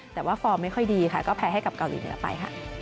แต่ว่าฟอร์มไม่ค่อยดีค่ะก็แพ้ให้กับเกาหลีเหนือไปค่ะ